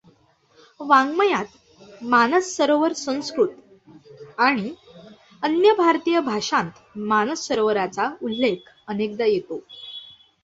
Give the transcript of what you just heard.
वाङ्मयात मानस सरोवर संस्कृत आणि अन्य भारतीय भाषांत मानस सरोवराचा उल्लेख अनेकदा येतो.